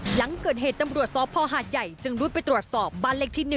หลังเกิดเหตุตำรวจสพหาดใหญ่จึงรุดไปตรวจสอบบ้านเลขที่๑